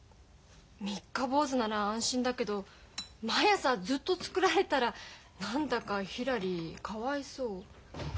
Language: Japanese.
三日坊主なら安心だけど毎朝ずっと作られたら何だかひらりかわいそう。